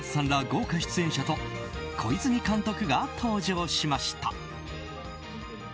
豪華出演者と小泉監督が登場しました。